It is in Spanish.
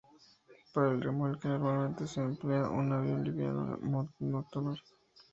Para el remolque normalmente se emplea un avión liviano monomotor.